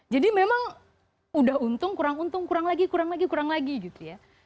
jadi memang udah untung kurang untung kurang lagi kurang lagi kurang lagi gitu ya